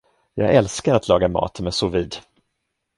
Jag älskar att laga mat med sous-vide.